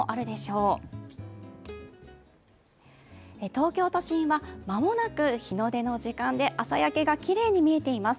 東京都心は間もなく日の出の時間で朝焼けがきれいに見えています。